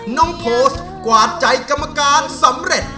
น้องโพสต์กวาดใจกรรมการสำเร็จ